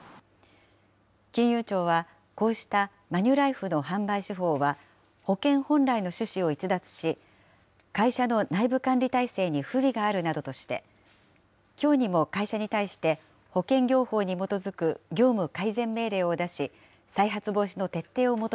金融庁は、こうしたマニュライフの販売手法は保険本来の趣旨を逸脱し、会社の内部管理態勢に不備があるなどとして、きょうにも会社に対して、保険業法に基づく業務改善命令を出し、再発防止の徹底を求